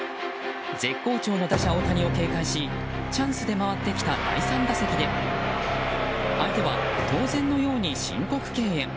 絶好調の打者・大谷を警戒しチャンスで回ってきた第３打席で相手は当然のように申告敬遠。